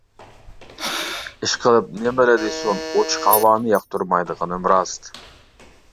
ئىشقىلىپ نېمىلا دېسۇن ئوچۇق ھاۋانى ياقتۇرمايدىغىنىم راست!